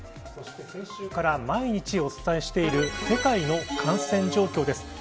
先週から毎日お伝えしている世界の感染状況です。